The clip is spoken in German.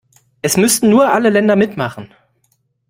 Es müssten nur alle Länder mitmachen.